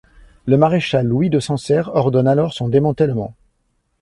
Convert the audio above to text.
Le maréchal Louis de Sancerre ordonne alors son démantellement.